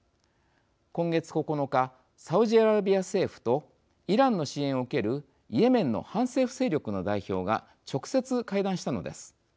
今月９日サウジアラビア政府とイランの支援を受けるイエメンの反政府勢力の代表が直接会談したのです。